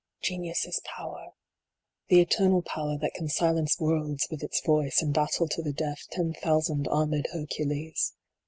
Genius is power. The eternal power that can silence worlds with its voice, and battle to the death ten thousand armed Her cules.